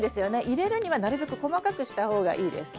入れるにはなるべく細かくした方がいいです。